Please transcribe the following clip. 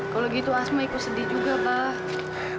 kalau gitu asma aku sedih juga pak